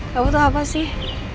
gak tau apa sih